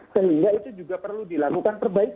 sehingga itu juga perlu dilakukan perbaikan